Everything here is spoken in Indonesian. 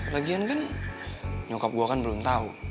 lagian kan nyokap gue kan belum tahu